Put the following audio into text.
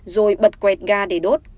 rồi bật quẹt ga để đốt